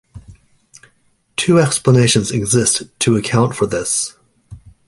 Two explanations exist to account for this.